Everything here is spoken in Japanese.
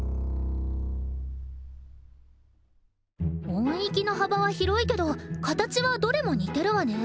音域の幅は広いけど形はどれも似てるわね。